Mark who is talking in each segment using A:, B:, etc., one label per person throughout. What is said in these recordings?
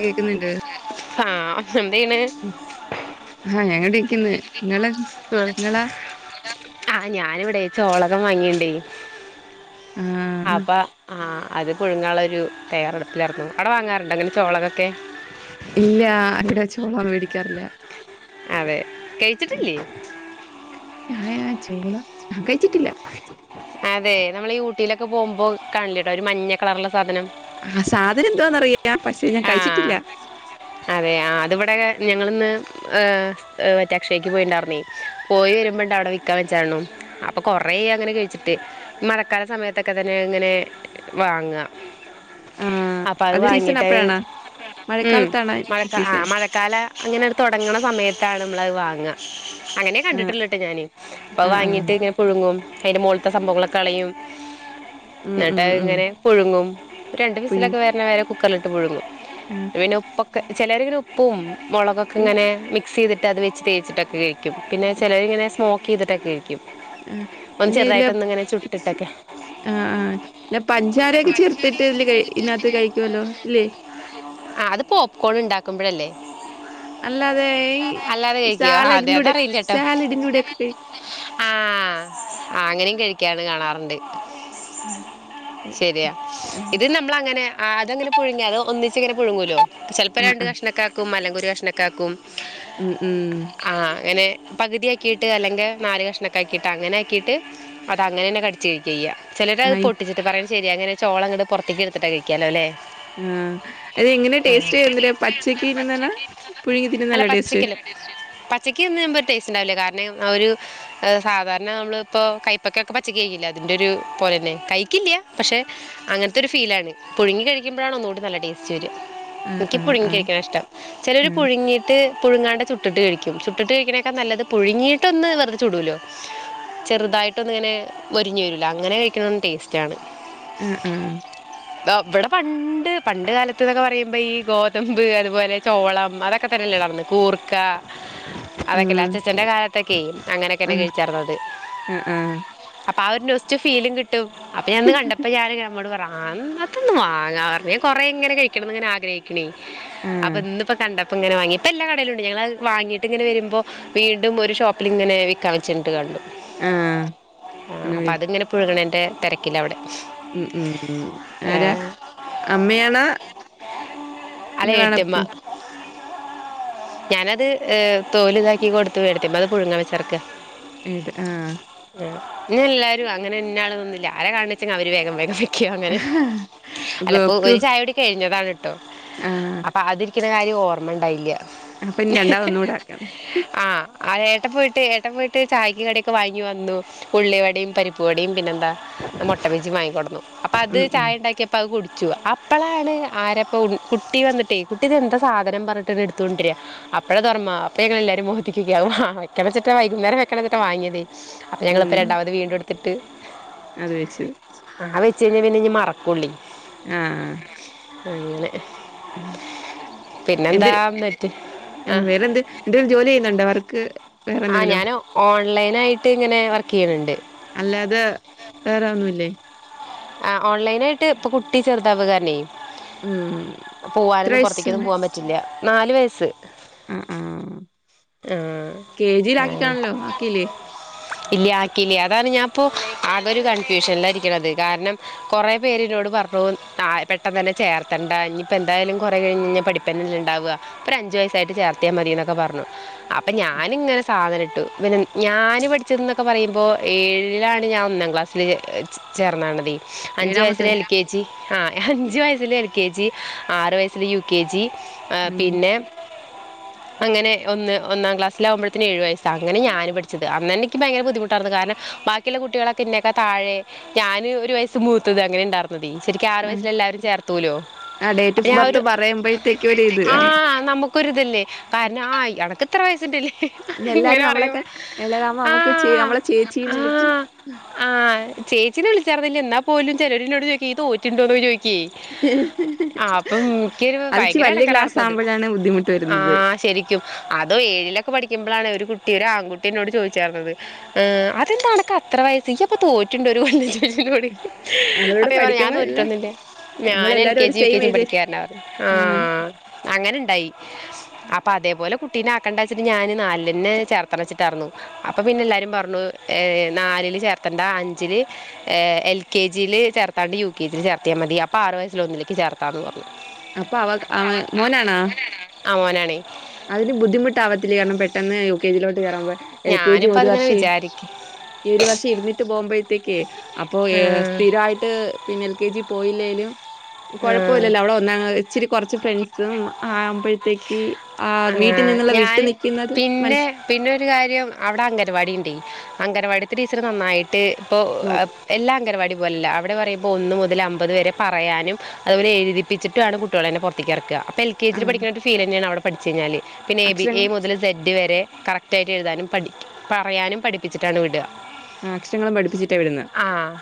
A: കേക്ക്ന്ന്ണ്ട്
B: ആഹ് എന്ത്‌ ചെയ്യ്ണ്
A: ഹ ഹ ഞങ്ങളിവിടിരിക്ക്ന്ന്. നിങ്ങളെ നിങ്ങളാ
B: ആഹ് ഞാനിവിടെയ് ചോളകം വാങ്ങിണ്ടേ
A: ആഹ്
B: അപ്പൊ ആഹ് അത് പുഴുങ്ങാള്ള ഒരു തയ്യാറെടുപ്പിലാർന്നു. അവടെ വാങ്ങാറുണ്ടോ അങ്ങനെ ചോളകൊക്കെ
A: ഇല്ല അങ്ങനെ ചോളകം വേടിക്കാറില്ല
B: അതെ കഴിച്ചിട്ടില്ലേ
A: ഞായ ചോളം ഞാൻ കഴിച്ചിട്ടില്ല
B: അതെ നമ്മള് ഈ ഊട്ടീലൊക്കെ പോകുമ്പോ കാണല്ട്ടെ ഒരു മഞ്ഞ കളറ്ള്ള സാധനം
A: ആഹ് സാധനം എന്തുവാന്നറിയാ പക്ഷെ ഞാൻ
B: ആ
A: കഴിച്ചിട്ടില്ല
B: അതെ ആഹ് അതിവിടെ ഞങ്ങളിന്ന് ഏഹ് മറ്റേ അക്ഷയേക്ക് പോയിണ്ടാർന്നേ പോയി വരുമ്പണ്ട് അവിടെ വിക്കാൻ വെച്ചാർന്നു അപ്പൊ കൊറേ അങ്ങനെ കഴിച്ചിട്ട് മഴക്കാല സമയത്തൊക്കെ തന്നെ ഇങ്ങനെ വാങ്ങ
A: ആഹ്
B: അപ്പൊ അത്
A: സീസൺ
B: വാങ്ങിട്ടഹ്
A: അപ്പഴാണോ
B: ഉം
A: മഴക്കാലത്താണ്
B: മഴക്ക
A: സീസൺ
B: മഴക്കാല അങ്ങനെ തൊടങ്ങ്ണ സമയത്താണ് നമ്മളത് വാങ്ങ അങ്ങനെ
A: ആഹ്
B: കണ്ടിട്ട്ള്ളഹ് ട്ടോ ഞാന് അപ്പൊ അഹ്
A: ആഹ് ആഹ്
B: വാങ്ങിട്ട് ഇങ്ങനെ പുഴുങ്ങും അയ്ന്റെ മോള്- ത്തെ സംഭവങ്ങളൊക്കെ കളയും
A: ഉം
B: ന്നട്ട്
A: ഉം
B: അഹ്
A: ഉം
B: ഇങ്ങനെ പുഴുങ്ങും രണ്ടു
A: പുഴുങ്ങി
B: വിസിലൊക്കെ വർണ വരെ കുക്കർലിട്ട് പുഴുങ്ങും
A: ആഹ്
B: പിന്നെ ഉപ്പൊക്കെ ചിലരിങ്ങനെ ഉപ്പും മുളകൊക്കെ
A: ഇല്ല
B: ഇങ്ങനെ മി - ക്സ് ചെയ്തിട്ടത് വെച്ച് തേച്ചിട്ടൊക്കെ കഴിക്കും. പിന്നെ ചെലരിങ്ങെനെ സ്മോക്ക് ചെയ്തിട്ടൊക്കെ കഴിക്കും
A: ആഹ്
B: ഒന്ന്
A: ഇനി ഇല
B: ചെറുതായിട്ടൊന്നിങ്ങനെ
A: [unintelligible]
B: ചുട്ടിട്ടൊക്കെ
A: ആഹ് ആഹ് ഇല്ല പഞ്ചാരയൊക്കെ ചേർത്തിട്ട് ഇതില് ഇതിനകത്ത് കഴിക്കോല്ലോ ഇല്ലേ
B: ആഹ് അത് പോപ്കോൺ ഇണ്ടാക്കുമ്പോഴല്ലേ
A: അല്ലാതെ ഈ
B: ആ അതെ
A: സാലഡിന്റൂടെ
B: അതറിയില്ല കേട്ടോ
A: സാലഡിന്റെൂടെ ഒക്കെ കഴി
B: ആഹ് അങ്ങനെയും കഴിക്കാണ് കാണാറ്ണ്ട്
A: ആഹ്
B: ശരിയാ ഇത് നമ്മളങ്ങനെ അതങ്ങനെ പുഴുങ്ങി അത് ഒന്നിച്ച് ഇങ്ങനെ പുഴുങ്ങോലോ ചെൽപ്പോ
A: ആ
B: രണ്ട്
A: ആ
B: കഷ്ണൊക്കാക്കും അല്ലെങ്ക് ഒരു കഷ്ണക്കാക്കും
A: ഉം ഉം
B: ആഹ് അങ്ങനെ പകുതി ആക്കീട്ട് അല്ലെങ്കെ നാല് കഷ്ണൊക്കെ ആക്കീട്ട് അങ്ങനെ ആക്കീട്ട് അതങ്ങനെന്നെ കട് [unintelligible] ചെയ്യാ ചെലരത്
A: ആയി
B: പൊട്ടിച്ചിട്ട് പറയാ ശരി അങ്ങനെ ചോള അങ്ങട്ട് പൊർത്തേക്ക് എടുത്തിട്ടാ കഴിക്കാലൊ അല്ലേ
A: ആഹ് അത് എങ്ങനെ ടേസ്റ്റ് എന്തരാ പച്ചക്ക് തിന്നുന്നന്നെ പുഴുങ്ങി
B: അല്ല
A: തിന്നുന്നല്ലെ ടേസ്റ്റ്.
B: പച്ചക്കല് പച്ചക്ക് തിന്നുംമ്പ ഒരു ടേസ്റ്റ് ഉണ്ടാവില്ല കാരണം അ ഒരു സാധാരണ നമ്മള് ഇപ്പൊ കൈപ്പക്കെക്കെ പച്ചക്ക് കഴിക്കില്ലേ അതിന്റെ ഒരു പോലെന്നെ കയ്ക്കില്ല്യ പക്ഷെ. അങ്ങൻത്തൊരു ഫീലാണ് പുഴുങ്ങി കഴിക്കുമ്പഴാണ് ഒന്നുകൂടി നല്ല ടേസ്റ്റ് വര.
A: ആ
B: എനിക്ക്
A: ആ
B: പുഴുങ്ങി
A: ആ
B: കഴിക്ക്ണ ഇഷ്ടം ചിലരു
A: ആ
B: പുഴുങ്ങി. ട്ട് പുഴുങ്ങാണ്ട ചുട്ടിട്ട് കഴിക്കും ചുട്ടിട്ട് കഴിക്ക്യണെക്ക നല്ലത് പുഴുങ്ങിയിട്ടൊന്ന് വെറുത ചുടുലോ. ചെറുതായിട്ടൊന്ന്ങ്ങനെ മൊരിഞ്ഞ് വരൂലെ അങ്ങനെ കഴിക്കണന്ന് ടേസ്റ്റാണ്.
A: ആഹ് ആഹ്.
B: ദാ ഇവടെ പണ്ട് പണ്ട് കാലത്ത്ന്നൊക്കെ പറയു മ്പ ഈ ഗോതമ്പ് അതുപോലെ ചോളം അതൊക്കെ തരല്ല [unintelligible] ന്ന് കൂർക്ക. അതൊക്കല്ലെ അച്ചച്ചന്റെ കാലത്തൊക്കെയ് അങ്ങനൊക്കെന്നെ കഴിച്ചാർന്നത്.
A: ആഹ് ആഹ്.
B: അപ്പൊ ആ ഒരു നൊസ്റ്റു ഫീലും കിട്ടും. അപ്പ ഞാന്ന് കണ്ടപ്പ ഞാന്ങ്ങനെ അമ്മോട് പറയ അങ്ങൻതൊന്ന് വാങ്ങാ പറഞ്ഞ് ഞാൻ കൊറേങ്ങനെ കഴിക്കണംന്ന്ങ്ങനെ ആ ഗ്രഹിക്ക്ണേ
A: ആ
B: അപ്പൊ ഇന്ന്പ്പ കണ്ടപ്പങ്ങനെ വാങ്ങി ഇപ്പ എല്ലാ കടയിലുംണ്ട് ഞങ്ങളത് വാങ്ങിട്ട്ങ്ങനെ വരുമ്പൊ. വീണ്ടും ഒരു ഷോപ്പില്ങ്ങനെ വിക്കാൻ വെ ച്ച്ണ്ട് കണ്ടു
A: ആ
B: ആ
A: അങ്ങനെ
B: അപ്പ
A: മേടി
B: അത്ങ്ങനെ പുഴുങ്ങണെന്റെ തിരക്കിലവിടെ.
A: ഉം ഉം ഉം
B: ആ,
A: ആരാ അമ്മയാണ.
B: അത് ഏട്ത്ത്യമ്മ. ഞാനത് ഏ തോല്താക്കി കൊടുത്തു ഏട്ത്ത്യമ്മ അത് പുഴുങ്ങ വെച്ചർക്ക.
A: ഏട്ട് ആഹ്.
B: ആഹ് ഇങ്ങനെല്ലാരും അങ്ങനെന്നാവണംന്നൊന്നുല്ല ആരാ കാൺണെച്ചെങ്കി അവര് വേഗം വേഗം. ക്ക്യോ അങ്ങനെ അല്ലപ്പൊ
A: ഗോക്കു
B: ഒരു ചായകുടി കഴിഞ്ഞതാണ് ട്ടൊ
A: ആ
B: അപ്പ അതിരിക്കുന്ന കാര്യം ഓർമ്മണ്ടായില്ല.
A: അപ്പൊ ഇനി രണ്ടാമത് ഒന്നുകൂടെ ആക്കാന്ന്
B: ആഹ്. ആഹ് ഏട്ടൻ പോയിട്ട് ഏട്ടൻ പോയിട്ട് ചായയ്ക്ക് കട്യൊക്കെ വാങ്ങി വന്നു ഉള്ളി വടയും പരിപ്പു വടയും പിന്നെന്താ. മുട്ട ബജി വാങ്ങിക്കൊടന്നു അപ്പ അത്
A: ഉം ഉം
B: ചായണ്ടാക്ക്യപ്പത് കുട്ച്ചു അപ്പളാണ് ആര ഇപ്പ ഉൺ കുട്ടി വന്നിട്ടേ കുട്ടി ഇതെന്താ സാധനം പറഞ്ഞിട്ട് ഇത് എടുത്തോണ്ടര്യ. അപ്പഴ അതൊർമ അപ്പ ഞ്ഞങ്ങളെല്ലാരും മൊഖത്തെക്ക് നോക്കി അത് വാ വെക്ക്യണച്ച്ട്ടാ വൈകുന്നേരം വെക്കണെച്ച്ട്ടാ വാങ്ങ്യതേ. അപ്പ ഞങ്ങള്പ്പൊ
A: ഉം
B: രണ്ടാമത് വീണ്ടും എടുത്തിട്ട്.
A: അത് വെച്ചു.
B: ആഹ് അത് വെച്ച് കയ്ഞ്ഞ പിന്നെ ഇഞ് മറക്കുള്ളി.
A: ആഹ് ആഹ്.
B: അങ്ങനെ
A: എന്ത്
B: പിന്നെന്താ ഇന്നറ്റ്.
A: ആ വേറെന്ത് എന്തെലും ജോലി ചെയ്യുന്നുണ്ടോ വർക്ക് വേറെന്തെങ്കിലും.
B: ഓൺലൈനായിട്ട്ങ്ങനെ വർക്കെയ്യ്ണണ്ട്.
A: അല്ലാതെ വേറെ ഒന്നുല്ലേ.
B: ആഹ് ഓൺലൈനായിട്ട് ഇപ്പൊ കുട്ടി ചെറുതാവ കാരണെ
A: ഉം എത്ര
B: പോവാനൊന്നും പുറത്തേക്കൊന്നും
A: വയസ്സുണ്ട്
B: പോവാൻ പ റ്റില്ല നാല് വയസ്സ്.
A: ആഹ് ആഹ്
B: ആഹ്
A: കെ
B: ആഹ്.
A: ജിയിലാക്കിക്കാണല്ലോ ആക്കിയില്ലേ
B: ഇല്ല്യ ആക്കില്ല്യ അതാണ് ഞാപ്പൊ ആകൊരു കൺഫ്യൂഷൻല ഇരിക്ക്ണത് കാരണം. കുറെ പേര്നോട് പറഞ്ഞു ആ പെട്ടന്നെന്നെ ചേർത്തണ്ട ഇനിപ്പന്തായാലും കുറേ കഴിഞ്ഞയ്ഞ്ഞ പഠി പ്പന്നല്ലെ ഉണ്ടാവുക ഒരു അഞ്ച് വയസ്സായിട്ട് ചേർത്തിയാ മതിന്നൊക്കെ പറഞ്ഞു. അപ്പ ഞാന്ങ്ങനെ സാധനട്ടു ഇവനെ ഞാന് പഠിച്ചത് ന്നൊക്കെ പറയുമ്പോ ഏഴിലാണ് ഞാൻ ഒന്നാം ക്ലാസ്. സ്‌ല് ച് ചേർന്നാണതെ അഞ്ചു
A: ഏഴാമത്തെ
B: വയസ്സിലെ എൽ
A: വയസ്
B: കെ ആ അഞ്ച് വയസ്സിൽ എൽ കെ ജി ആറ് വയസ്സിൽ യു കെ ജി ആഹ്
A: അങ്ങനെ
B: പിന്നെ അങ്ങനെ ഒന്ന് ഒന്നാം ക്ലാസ്സിലാവുമ്പഴത്തിന് ഏഴു വയസ്സ് അങ്ങനെ ഞാന് പഠിച്ചത് അന്നെന്നെ എനിക്ക് ഭയങ്കര ബുദ്ധിമുട്ടായിരുന്നു കാരണം ബാക്കിയുള്ള കുട്ടികളൊക്കെ എന്നേക്കാ താഴെ ഞാന് ഒരു വയസ്സ് മൂത്തത് അങ്ങനെ ഉണ്ടാർന്നതേ ശെരിക്കും ആറ് വയസ്സിൽ എല്ലാരും ചേർത്തൂലോ
A: ആ ഡേറ്റ്
B: അപ്പൊ
A: ഓഫ്
B: ഞാൻ
A: ബർത്ത്
B: ഒരു
A: പറയുമ്പഴത്തേക്ക് ഒര് ഇത് ആണ്
B: ഒക്കെരുതല്ലേ കാരണം ആ അനക്ക് ഇത്ര വയസ്സുണ്ട്ല്ലേ
A: ഇനി
B: ഇങ്ങനെ
A: എല്ലാരും
B: പറയും
A: നമ്മളെക്കാൾ എളേതാവുമ്പോ നമുക്ക് ചേ
B: ആഹ്
A: നമ്മളെ ചേച്ചീന്ന് വിളിക്കും
B: ആഹ് ആഹ് ചേച്ചിനെ വിളിച്ചാർന്നില്ല എന്നാ പോലും ചെലരെന്നോട് ചോയ്ക്കോയ് ഇയ്യ് തോറ്റിണ്ടോന്നൊക്കെ ചോയ്ക്കേയ് ആഹ് അപ്പം ഇക്കൊരു
A: അത് ഇച്ചി
B: ഭയങ്കര
A: വല്യ ക്ലാസ്
B: എടങ്ങേറായിരുന്നു അത്
A: ആവുമ്പോഴാണ് ബുദ്ധിമുട്ട് വരുന്നത്
B: ക്കും അതോ ഏഴിലൊക്കെ പഠിക്കുമ്പഴാണ് ഒരു കുട്ടി ഒരു ആൺകുട്ടി എന്നോട് ചോദിച്ചാർന്നത് ഏഹ് അതെന്താ അണക്ക് അത്ര വയസ് ഇയ്യ് അപ്പൊ തോറ്റുണ്ടൊ ഒരു കൊല്ലം ചോ അപ്പ
A: അവളോട്
B: ഞാൻ പറഞ്ഞു ഞാൻ
A: പഠിക്കുമ്പോ എല്ലാ
B: തോറ്റിട്ടൊന്നില്ല ഞാൻ എൽ
A: നമ്മളെല്ലാരും
B: കെ
A: ഒരു
B: ജി യു കെ
A: സെയിം
B: ജിയും
A: ഏജ്
B: പഠിക്കാരുന്നു ആഹ് അങ്ങനെ ഇണ്ടായി അപ്പൊ അതേപോലെ കുട്ടീനെ ആക്കണ്ട വെച്ചിട്ട് ഞാന് നാലിലെന്നെ ചേർത്തണ വെച്ചിട്ടായിരുന്നു അപ്പൊ പിന്നെ എല്ലാരും പറഞ്ഞു ഏഹ് നാലില് ചേർത്തണ്ട അഞ്ചില് ഏഹ് എൽ കെ ജി യില് ചേർത്താണ്ട് യു കെ ജി ൽ ചേർത്തിയാൽ മതി അപ്പൊ ആറ് വയസ്സിൽ ഒന്നിൽക്ക് ചേർത്താന്ന് പറഞ്ഞു
A: അപ്പൊ അവ അവൻ മോനാണാ
B: ആഹ് മോനാണേയ്
A: അതിന് ബുദ്ധിമുട്ടാവത്തില്ലേ കാരണം പെട്ടെന്ന് യു കെ ജി ലോട്ട് കേറുമ്പോ എൽ കെ ജി
B: ഞാനിപ്പോൾ
A: ഒരു
B: അതിങ്ങനെ
A: വർഷം ഇരു
B: വിചാരിക്കും
A: ഈ ഒരു വർഷം ഇരുന്നിട്ട് പോകുമ്പോഴത്തേക്കേ അപ്പൊ ഏഹ്
B: ആഹ്
A: സ്ഥിരായിട്ട് പിന്നെ എൽ കെ ജി പോയില്ലേലും
B: ആഹ്
A: കൊഴപ്പില്ലല്ലോ അവിടെ ഇന്നാ ഇച്ചിരി കൊറച്ച് ഫ്രണ്ട്സും ആവുമ്പഴത്തേക്ക് ആ വീട്ടിൽ നിന്നുള്ള വിട്ട് നിൽക്കുന്നത് മനസ്സി
B: പിന്നൊരു കാര്യം അവിടെ അംഗനവാടി ഉണ്ടെയ് അംഗനവാടിത്തെ ടീച്ചർ നന്നായിട്ട് ഇപ്പോ അഹ്
A: നോക്ക്
B: എല്ലാ അംഗനവാടി പോലെയല്ല അവിടെ പറയുമ്പോൾ ഒന്ന് മുതൽ അമ്പത് വരെ പറയാനും അതുപോലെ എഴുതിപ്പിച്ചിട്ടാണ് കുട്ടികളെന്നെ പുറത്തേക്ക് ഇറക്കാ ഇപ്പോൾ എൽ കെ ജിൽ
A: ആഹ്
B: പഠിക്കുന്ന ഒരു് ഫീൽ തന്നെയാണവിടെ പഠിച്ചു കഴിഞ്ഞാല് പിന്നെ എ ബി എ
A: അക്ഷരങ്ങൾ
B: മുതൽ സെഡ്ഡ് വരെ കറക്റ്റ് ക്റ്റ് ആയിട്ട് എഴുതാനും പഠി പറയാനും പഠിപ്പിച്ചിട്ടാണ് വിടാ
A: ആ അക്ഷരങ്ങളും പഠിപ്പിച്ചിട്ടാ വിടുന്നത്
B: ആഹ്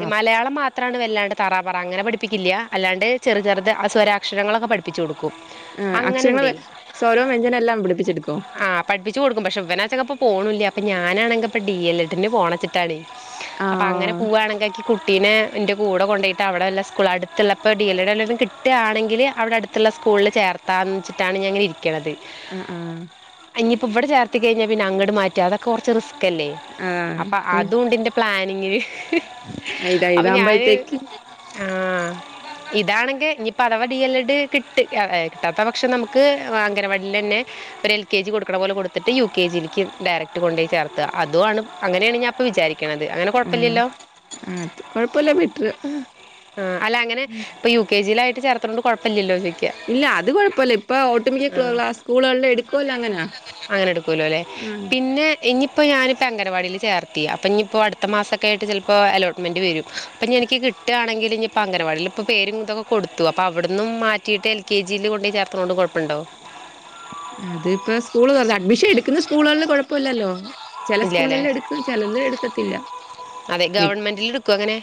A: ആ
B: മലയാളം മാ ത്രാണ് വല്ലാണ്ട് തറ പറ അങ്ങനെ പഠിപ്പിക്കില്ല്യ അല്ലാണ്ട് ചെറു ചെറുത് ആ സ്വരാക്ഷരങ്ങളൊക്കെ പഠിപ്പിച്ച് കൊടുക്കും
A: ആഹ്
B: അങ്ങനെ
A: അക്ഷരങ്ങൾ
B: ഉണ്ടേ
A: സ്വരവും വ്യഞ്ജനം എല്ലാം പഠിപ്പിച്ചെടുക്കോ
B: പഠിപ്പിച്ചും കൊടുക്കും പക്ഷെ ഇവനാച്ചങ്ങെ ഇപ്പോ പോണുല്ല അപ്പ ഞാനാണെങ്ക ഇപ്പ ഡി എൽ എഡിന് പോണച്ച് [unintelligible] അപ്പൊ അങ്ങനെ
A: ആഹ്
B: പൂവാണെങ്കി ഇക്ക് കുട്ടീനെ ഇന്റെ കൂടെ കൊണ്ടോയ്ട്ട് അവിടെ വല്ല സ്കൂൾ അടുത്തുള്ളപ്പോ ഡി എൽ [unintelligible] കിട്ട കിട്ടാണെങ്കില് അവിടെ അടുത്തുള്ള സ്കൂളിൽ ചേർത്താന്ന് വെച്ചിട്ടാണ് ഞാൻ ഇങ്ങനെ ഇരിക്കണത്
A: ആഹ് ആഹ്
B: ആഹ് ഇനിയിപ്പം ഇവിടെ ചേർത്തി കഴിഞ്ഞാൽ പിന്നെ അങ്ങട് മാറ്റ അതക്കെ കൊറച്ച് റിസ്ക്കല്ലേ
A: ആഹ്
B: അപ്പം
A: ഇപ്പൊ
B: അതൂണ്ട് ഇന്റെ പ്ലാനിങ്ങില്
A: ഇതാ
B: അപ്പൊ ഞാന്
A: ഇതാകുമ്പോഴത്തേക്ക്
B: ആഹ് ഇതാണെങ്കിൽ ഇനിപ്പോ അഥവാ ഡി എൽ എഡ് കിട്ട് ഏഹ് കിട്ടാത്ത പക്ഷം നമുക്ക് അംഗനവാടിൽ തന്നെ ഒരു എൽ കെ ജി കൊടുക്കണ പോലെ കൊടുത്തിട്ട് യു കെ ജിയിലേക്ക് ഡയറക്ട് കൊണ്ടോയി ചേർത്ത അതും ആണ് അങ്ങനെയാണ് ഞാൻ ഇപ്പ വിചാരി ക്കണത് അങ്ങനെ
A: ആഹ്
B: കൊഴപ്പില്ലല്ലോ
A: ആഹ് അത് കുഴപ്പമില്ല ബെറ്റർ ആഹ്
B: ആഹ് അല്ല അങ്ങനെ ഇപ്പം യു കെ ജി യിലായിട്ട് ചേർത്ത്ണത് കൊയപ്പല്ലല്ലോ ചോയ്ക്ക്യാ
A: ഇല്ല അത് അത് കുഴപ്പല്ല ഇപ്പൊ ഒട്ടുമിക്ക ക്ലാ സ്കൂളുകളിൽ എടുക്കുവല്ലോ അങ്ങനാ ആഹ്
B: ഇഞ്ഞിപ്പോ ഞാനിപ്പ അംഗനവാടിൽ ചേർത്തി അപ്പഞ്ഞിപ്പോ അടുത്ത മാസക്കെയിട്ട് ചെൽപ്പോ അലോട്ട്മെൻറ് വരും അപ്പഞ്ഞി എനിക്ക് കി ട്ടാണെങ്കിൽ ഇഞ്ഞിപ്പ അംഗനവാടിൽ ഇപ്പ പേരുംതൊക്കെ കൊടുത്തു അപ്പ അവിടന്നും മാറ്റിട്ട് എൽ കെ ജിൽ കൊണ്ടെയ് ചേർത്തനൊണ്ട് കൊഴപ്പിണ്ടോ
A: അത് ഇപ്പോ സ്കൂള് തഞ്ഞ അഡ്മിഷൻ എടുക്കുന്ന സ്കൂളുകളിൽ കൊഴപ്പല്ലല്ലോ ചെല
B: ഇല്ല അല്ലേ
A: സ്കൂളെല്ലാം എടുക്കും ചെലതില് എടുക്കത്തില്ല
B: അതെ ഗവൺമെന്റിൽ എടുക്കോ അങ്ങനെ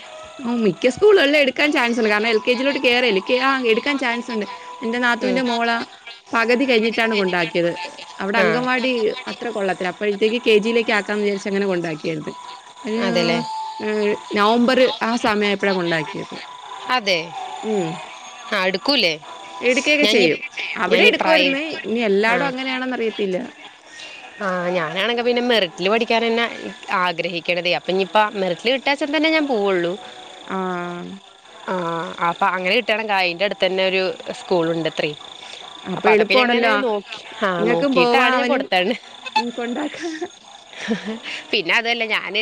A: ഉം മിക്ക സ്കൂളുകളിൽ എടുക്കാൻ ചാൻസ് ഉണ്ട് കാരണം എൽ കെ ജിലോട്ട് കേറല്ലേ കെ ആ എടുക്കാൻ ചാൻസ് ഉണ്ട് എന്റെ
B: ഉം.
A: നാത്തുവിന്റെ മോള പകുതി കഴിഞ്ഞിട്ടാണ് കൊണ്ടാക്കിയത് അവിടെ
B: ആ
A: അംഗൻവാടി അത്ര കൊള്ളത്തില്ല അപ്പോഴത്തേക്ക് കെ ജിലേക്ക് ആക്കാന്ന് വിചരിച്ച് അങ്ങനെ കൊണ്ടാക്കിയാര്ന്നു ഒരു
B: അതെല്ലേ
A: ന നവംബർ ആ സമയം എപ്പഴാ കൊണ്ടാക്കിയത്
B: അതെ ആ എടുക്കൂല്ലേ
A: എടുക്കയൊക്കെ ചെയ്യും അവിടെ എടുക്കുവാരുന്ന് ഇനി എല്ലാടും അങ്ങനെയാണെന്ന് അറിയത്തില്ല
B: ആഹ് ഞാനാണെങ്കി പിന്നെ മെറിറ്റില് പഠിക്കാനന്നെ ആഗ്രഹിക്കണതേ അപ്പഞ്ഞിപ്പ മെറിറ്റില് കിട്ടാച്ച തന്നെ ഞാൻ പോവൊള്ളൂ
A: ആഹ്
B: ആഹ് അപ്പ അങ്ങനെ കിട്ടാണെങ്കയ്ന്റെ അടുത്ത് തന്നെ ഒരു സ്കൂളുണ്ട് ത്രെ അപ്പ
A: അപ്പൊ
B: അതൊക്കെ ഞാങ്ങനെ
A: എളുപ്പമാണല്ലോ
B: നോക്കി ആഹ്
A: ഇങ്ങക്കും പോവാ
B: നോക്കിട്ടാണ് ഞാൻ
A: അവനും
B: കൊടു ആണ്
A: ഉം കൊണ്ടാക്കാ
B: പിന്നെ അതല്ല ഞാന്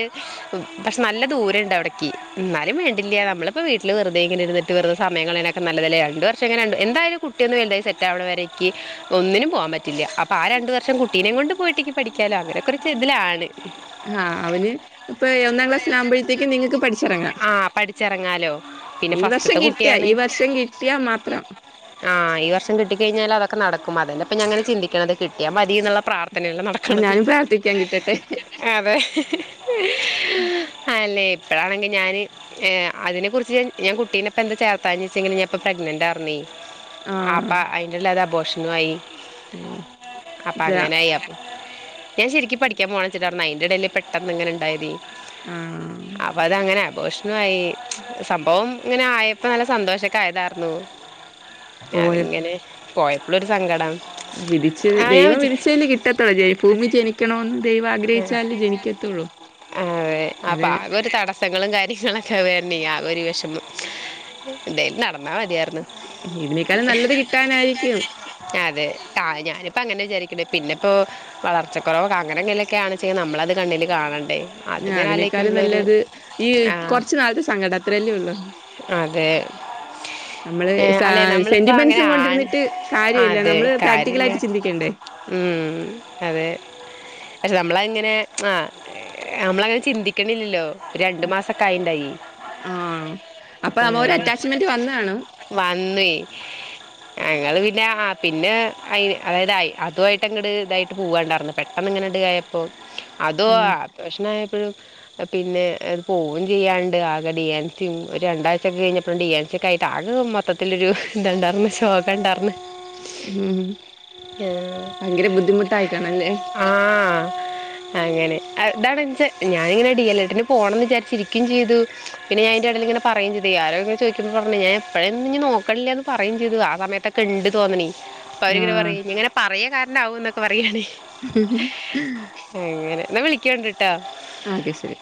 B: പക്ഷെ നല്ല ദൂരംണ്ട് അവിടേക്ക് എന്നാലും വേണ്ടില്ല നമ്മളിപ്പോ വീട്ടിൽ വെറുതെ ഇങ്ങനെ ഇരുന്നിട്ട് വെറുതെ സമയം കളയണെ ക്കാ നല്ലതല്ലേ രണ്ട് വർഷങ്കി രണ്ട് എന്തായാലും കുട്ടിയൊന്നു വലുതായി സെറ്റാവണവരേക്ക് ഒന്നിനും പോകാൻ പറ്റില്ല അപ്പ ആ രണ്ട് വർഷം കുട്ടിനേം കൊണ്ട് പോയിട്ട് എനിക്ക് പഠിക്കാല്ലോ അങ്ങനെ കുറച്ച് ഇതിലാണ്
A: ആഹ് അവന് ഇപ്പൊ ഒന്നാം ക്ലാസ്സിൽ ആകുമ്പോഴത്തേക്കും നിങ്ങക്ക് പഠിച്ചിറങ്ങാം
B: ആഹ് പഠിച്ചെറങ്ങാം
A: ഈ വർഷം കിട്ടിയാ ഈ വർഷം കിട്ടിയാ മാത്രം
B: ആഹ് ഈ വർഷം കിട്ടികഴിഞ്ഞാലതൊക്കെ നടക്കും അതന്നപ്പ ഞങ്ങൾ ചിന്തിക്കണത് കിട്ടിയാ മതീന്നൊള്ള പ്രാർത്ഥനെലാ നട
A: ആഹ് ഞാനും പ്രാർത്ഥിക്കാം കിട്ടട്ടെ
B: അതെ അല്ലെ ഇപ്പഴാണെങ്കി ഞാന് ഏ അതിനെ കുറിച്ച് ഞാൻ ഞാൻ കുട്ടീനെപ്പ എന്താ ചേർത്താഞ്ഞെ വെച്ചെഞ്ഞാ ഞാപ്പൊ പ്രെഗ്നന്റാർന്നെ അപ്പ
A: ആഹ്
B: അയിന്റെള്ളിൽ അത് അബോഷനും ആയി
A: അയ്യോ
B: അപ്പ
A: ഇതാ
B: ആയി ഞാ ശരിക്ക് പഠിക്കാൻ പോകണ വെച്ചിട്ട അയ്ന്റെ എടേല് പെട്ടെന്ന് ഇങ്ങനെ ഇണ്ടായത്
A: ആഹ്
B: അപ്പൊ അതങ്ങനെ അബോഷനുമായി സംഭവം ഇങ്ങനെ ആയപ്പോ നല്ല സന്തോഷക്കെ ആയതാർന്നു
A: പോയ
B: അതിങ്ങനെ പോയപ്പളും ഒരു സങ്കടം
A: വിതിച്ചത്
B: ആ ഞാൻ
A: ദൈവം
B: വിചാ
A: വിതിച്ചതല്ലേ കി [unintelligible] ഭൂമി ജനിക്കണോന്ന് ദൈവം ആഗ്രഹിച്ചാല് ജനിക്കത്തുള്ളൂ അത്
B: പ്രശ്നങ്ങളും കാര്യങ്ങളൊക്കെ വന്നെ ആകെ ഒരു വെഷമം ഇതേലും നടന്നാ മതിയാർന്നു
A: ഇതിനേക്കാളും നല്ലത് കിട്ടാനായിരിക്കും
B: അതെ ത ഞാനിപ്പോ അങ്ങനെ വിചാരി പിന്നെപ്പോ വളർച്ചക്കുറവൊ അങ്ങനെങ്കിലൊക്കെയാണെചെങ്കി നമ്മളത് കണ്ണിൽ കാണണ്ടേ
A: ആഹ്
B: അതിങ്ങനെ
A: അതിനേക്കാളും
B: ആലോചിക്കുമ്പോഴൊരു
A: നല്ലത് ഈ
B: ആ
A: കൊറച്ചുനാളത്തെ സങ്കടം അത്രല്ലേ ഉള്ളൂ
B: അതെ
A: നമ്മള്
B: ഏഹ്
A: സാ
B: അല്ലെ നമ്മളിപ്പോ അങ്ങനെ
A: സെന്റിമെന്റ്സും
B: ആണ്
A: കൊണ്ടിരുന്നിട്ട് കാര്യമില്ല
B: അതെ
A: നമ്മള്
B: കാര്യല്ല
A: പ്രാക്ടിക്കലായിട്ട് ചിന്തിക്കണ്ടേ
B: ഉം അതെ പക്ഷെ നമ്മള് അങ്ങനെ ആഹ് നമ്മളങ്ങനെ ചിന്തിക്കണില്ലല്ലോ രണ്ടു മാസൊക്കെ ആയിണ്ടായി
A: ആഹ് അപ്പൊ നമ്മ ഒരു
B: ഏഹ്
A: അറ്റാച്ച്മെന്റ് വന്നതാണ്
B: വന്ന് ഞങ്ങള് പിന്നെ അ പിന്നെ അയ് അതായതയ് ഇതുആയിട്ട് അങ്ങട്ട് ഇതായിട്ട് പോകണ്ടാർന്ന പെട്ടന്ന് ഇങ്ങനെ ടി ആയപ്പോ അതോ
A: ആഹ്
B: ആ പ്രശ്നായപ്പഴു പിന്നെ അത് പോകും ചെയ്യാണ്ട് ആകെ ഡി എൻ സിയും ഒരു രണ്ടാഴ്ചൊക്കെ കഴിഞ്ഞപ്പം ഡി എൻ സി ക്കായിട്ട് ആകെ മൊത്തത്തിലൊരു ഇതുണ്ടാർന്ന് ശോകണ്ടാർന്ന്
A: ഉം ഭയങ്കര ബുദ്ധിമുട്ടായിക്കണല്ലേ
B: ആഹ് ആഹ് അങ്ങനെ അതാണൻച്ച ഞാനിങ്ങനെ ഡി എൽ എട്ടിന് പോണന്നു വിചാരിച്ചിരിക്കിം ചെയ്തു പിന്നെ അയ്ന്റെടേല് ഇങ്ങനെ പറയും ചെയ്തു ആരോ ഇങ്ങെ ചോയ്ക്കുമ്പോ പറഞ്ഞു ഞാനപ്പെലെളും നോക്കില്ലന്ന് പറയും ചെയ്തു ആ സമയത്തെ ത്ത്ണ്ട് തോന്നണി അപ്പൊ അവരിങ്ങനെ
A: ആഹ്
B: പറയും ഇങ്ങനെ പറയ കാരണം ആവോന്നൊക്കെ പറയാണ്
A: [inaudible]
B: എങ്ങനെ എന്നാ വിളിക്കണ്ടിട്ടാ
A: ആക്കെ ശരി